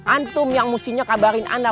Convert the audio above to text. antum yang mestinya kabarin anda